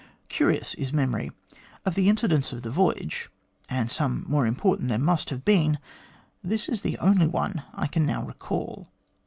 Curious is memory ; of the incidents of the voyage and some more important there must have been this is the only one I can now recall.